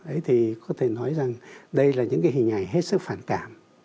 đấy thì có thể nói rằng đây là những cái hình ảnh hết sức phản cảm